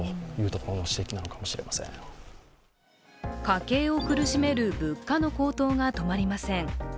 家計を苦しめる物価の高騰が止まりません。